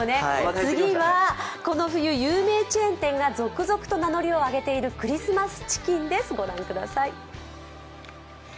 次はこの冬有名チェーン店が続々と名乗りをあげているクリスマスチキンです、ご覧ください。